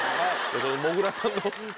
もぐらさんの。